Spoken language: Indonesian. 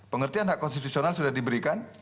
pengertian hak konstitusional sudah diberikan